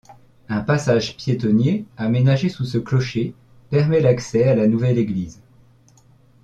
Un passage piétonnier aménagé sous ce clocher permet l'accès à la nouvelle église.